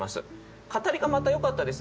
語りがまたよかったですね。